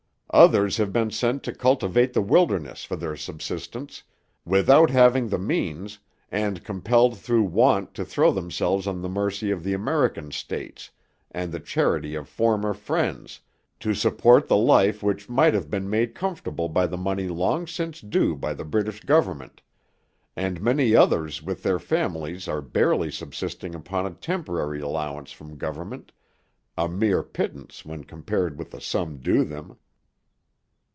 Others have been sent to cultivate the wilderness for their subsistence, without having the means, and compelled through want to throw themselves on the mercy of the American States, and the charity of former friends, to support the life which might have been made comfortable by the money long since due by the British Government; and many others with their families are barely subsisting upon a temporary allowance from Government, a mere pittance when compared with the sum due them.